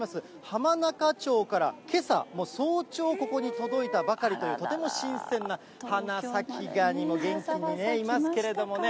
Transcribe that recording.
浜中町から、けさ早朝、ここに届いたばかりという、とても新鮮な花咲がにも元気にいますけれどもね。